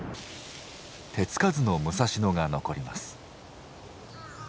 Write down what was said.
手付かずの武蔵野が残ります。